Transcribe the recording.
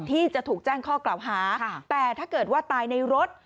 ที่จะถูกแจ้งข้อกล่าวหาแต่ถ้าเกิดว่าตายในรถ